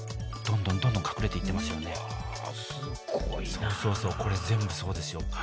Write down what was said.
そうそうそうこれ全部そうですよ。